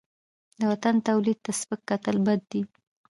د وطن تولید ته سپک کتل بد دي.